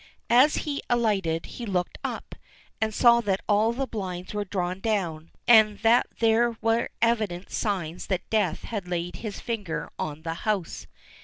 As he alighted he looked up, and saw that all the blinds were drawn down, and that there were evident signs that Death had laid his finger on the house.